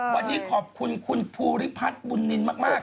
วันนี้ขอบคุณคุณภูริพัฒน์บุญนินมาก